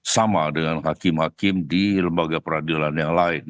sama dengan hakim hakim di lembaga peradilan yang lain